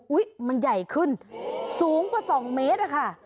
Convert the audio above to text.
มันใหญ่ขึ้นสูงกว่า๒เมตรอะค่ะ